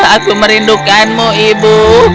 aku merindukanmu ibu